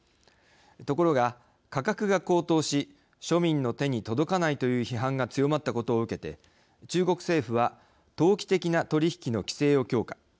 ところが価格が高騰し庶民の手に届かないという批判が強まったことを受けて中国政府は投機的な取り引きの規制を強化。